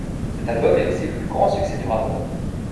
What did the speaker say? Cet album est aussi le plus grand succès du rappeur.